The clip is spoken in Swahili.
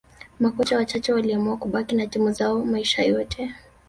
makocha wachache waliamua kubaki na timu zao maisha yote